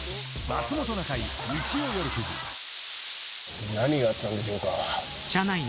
え．．．何があったんでしょうか？